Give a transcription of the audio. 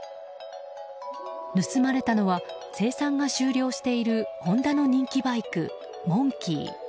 盗まれたのは生産が終了しているホンダの人気バイク、モンキー。